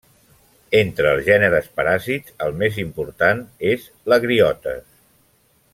Entre els gèneres paràsits, el més important és l'Agriotes.